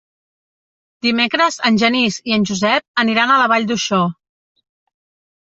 Dimecres en Genís i en Josep aniran a la Vall d'Uixó.